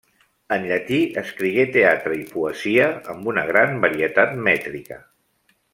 En llatí escrigué teatre i poesia, amb una gran varietat mètrica.